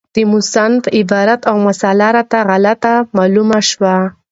د مصنف عبارت او مسأله راته غلطه معلومه شوه،